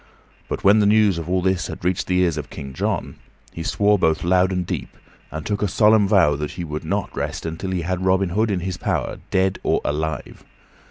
But when the news of all this reached the ears of King John, he swore both loud and deep, and took a solemn vow that he would not rest until he had Robin Hood in his power, dead or alive.